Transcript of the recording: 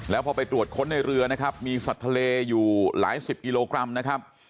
แล้วพอไปตรวจค้นในเรือนะครับมีสัตว์ทะเลอยู่หลายสิบกิโลกรัมนะครับ